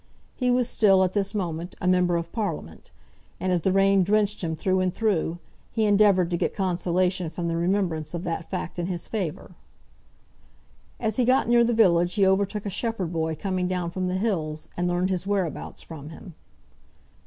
He was still, at this moment, a Member of Parliament; and as the rain drenched him through and through, he endeavoured to get consolation from the remembrance of that fact in his favour. As he got near the village he overtook a shepherd boy coming down from the hills, and learned his whereabouts from him.